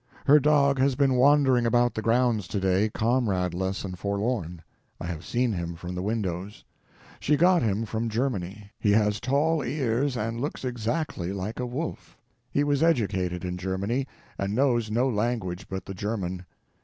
Her dog has been wandering about the grounds today, comradeless and forlorn. I have seen him from the windows. She got him from Germany. He has tall ears and looks exactly like a wolf. He was educated in Germany, and knows no language but the German.